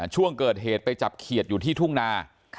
ช่วงเกิดเหตุไปจับเขียดอยู่ที่ทุ่งนา